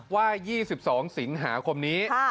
ว่า๒๒สิงหาคมนี้